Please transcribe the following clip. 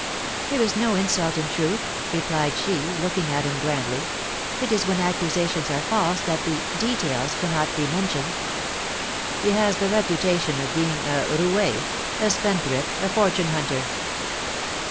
* There is no insult in truth,' replied she, looking at him grandly ; *it is when accusations are false that the " details" cannot be mentioned.' * He has the reputation of being a roue^ a spendthrift, a fortune hunter.'